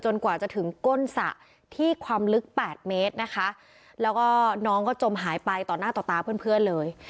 กว่าจะถึงก้นสระที่ความลึกแปดเมตรนะคะแล้วก็น้องก็จมหายไปต่อหน้าต่อตาเพื่อนเพื่อนเลย